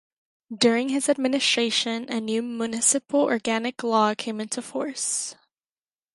During his administration, a new Municipal Organic Law came into force.